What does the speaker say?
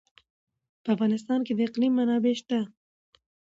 په افغانستان کې د اقلیم منابع شته.